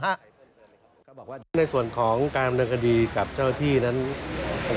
ก็บอกว่าในส่วนของการดำเนินคดีกับเจ้าที่นั้น